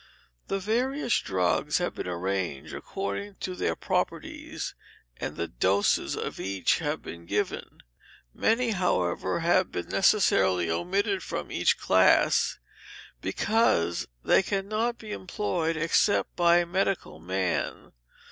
The various drugs have been arranged according to their properties, and the doses of each have been given. Many, however, have been necessarily omitted from each class, because they cannot be employed except by a medical man.